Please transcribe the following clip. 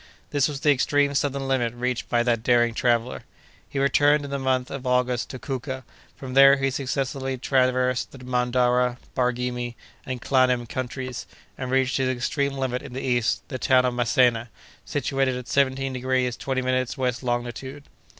This was the extreme southern limit reached by that daring traveller. He returned in the month of August to Kouka; from there he successively traversed the Mandara, Barghimi, and Klanem countries, and reached his extreme limit in the east, the town of Masena, situated at seventeen degrees twenty minutes west longitude.